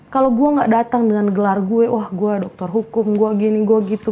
kalau gue gak datang dengan gelar gue wah gue dokter hukum gue gini gue gitu